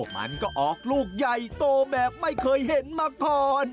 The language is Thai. มันก็ออกลูกใหญ่โตแบบไม่เคยเห็นมาก่อน